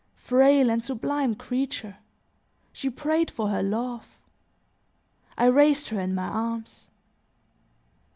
Frail and sublime creature; she prayed for her love. I raised her in my arms.